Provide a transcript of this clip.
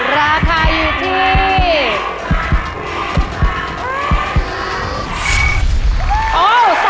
แพงกว่าแพงกว่าแพงกว่า